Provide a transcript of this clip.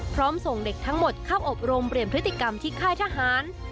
ส่งเด็กทั้งหมดเข้าอบรมเปลี่ยนพฤติกรรมที่ค่ายทหาร